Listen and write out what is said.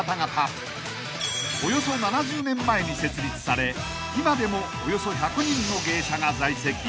［およそ７０年前に設立され今でもおよそ１００人の芸者が在籍］